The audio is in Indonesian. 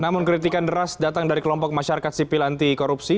namun kritikan deras datang dari kelompok masyarakat sipil anti korupsi